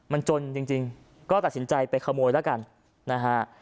มันจนจริงก็ตัดสินใจไปขโมยแล้วกันนะฮะ